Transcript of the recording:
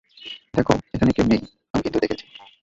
দেখো এখানে কেউ নেই, - কিন্তু আমি দেখেছি।